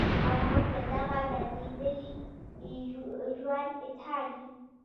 او هم د دغه درديدلي ژوند اظهار ئې